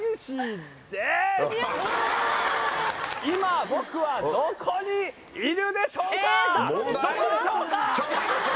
今僕はどこにいるでしょうか？